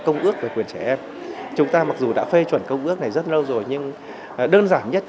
công ước về quyền trẻ em chúng ta mặc dù đã phê chuẩn công ước này rất lâu rồi nhưng đơn giản nhất